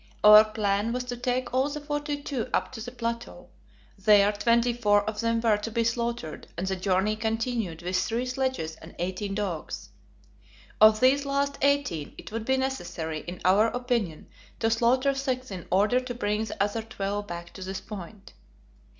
Our plan was to take all the forty two up to the plateau; there twenty four of them were to be slaughtered, and the journey continued with three sledges and eighteen dogs. Of these last eighteen, it would be necessary, in our opinion, to slaughter six in order to bring the other twelve back to this point.